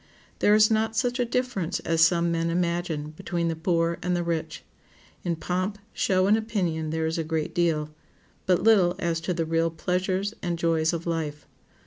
There is not such a difference as some men imagine between the poor and the rich. In pomp, show, and opinion there is a great deal, but little as to the real pleasures and joys of life.